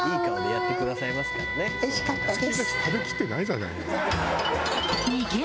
おいしかったです。